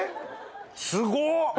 すごっ。